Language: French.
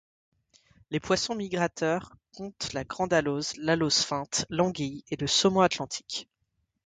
Les poissons migrateurs comptent la Grande alose, l'Alose feinte, l'Anguille et le Saumon Atlantique.